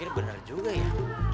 ini bener juga ya